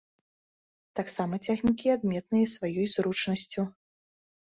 Таксама цягнікі адметныя сваёй зручнасцю.